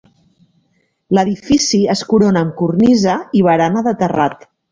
L'edifici es corona amb cornisa i barana de terrat.